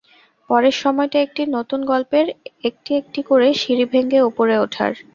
পরের সময়টা একটি নতুন গল্পের, একটি একটি করে সিঁড়ি ভেঙে ওপরে ওঠার।